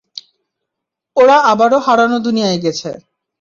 ওরা আবারও হারানো দুনিয়ায় গেছে।